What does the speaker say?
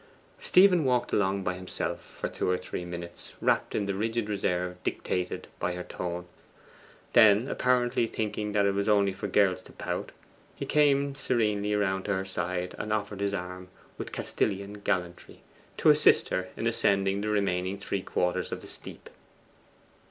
Stephen walked along by himself for two or three minutes, wrapped in the rigid reserve dictated by her tone. Then apparently thinking that it was only for girls to pout, he came serenely round to her side, and offered his arm with Castilian gallantry, to assist her in ascending the remaining three quarters of the steep.